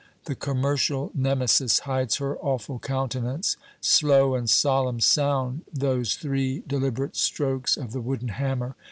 The commercial Nemesis hides her awful countenance. Slow and solemn sound those three deliberate strokes of the wooden hammer.